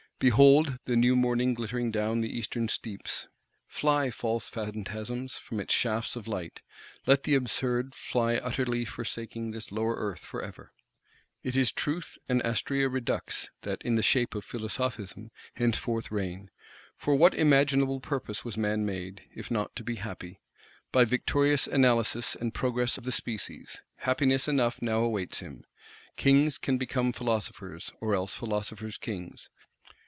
Behold the new morning glittering down the eastern steeps; fly, false Phantasms, from its shafts of light; let the Absurd fly utterly forsaking this lower Earth for ever. It is Truth and Astræa Redux that (in the shape of Philosophism) henceforth reign. For what imaginable purpose was man made, if not to be "happy"? By victorious Analysis, and Progress of the Species, happiness enough now awaits him. Kings can become philosophers; or else philosophers Kings.